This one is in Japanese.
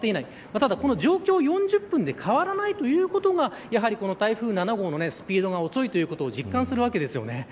ただこの状況が４０分で変わらないということがやはりこの台風７号のスピードが遅いことを実感するわけですよね。